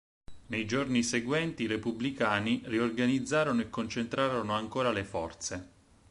Nei giorni seguenti i repubblicani riorganizzarono e concentrarono ancora le forze.